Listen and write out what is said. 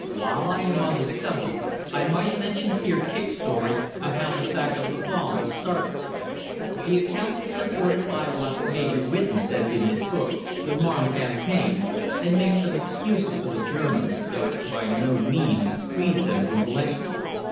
While I am on the subject I might mention here Kicq's story of how the sack of Louvain was started. The account is supported by what Major Whitton says in his book The Marne Campaign, and makes some excuses for the Germans, though it by no means frees them from blame.